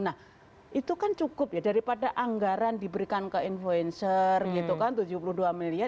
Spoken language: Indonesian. nah itu kan cukup ya daripada anggaran diberikan ke influencer gitu kan tujuh puluh dua miliar